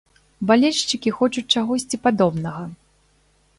Балельшчыкі хочуць чагосьці падобнага.